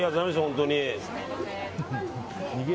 本当に。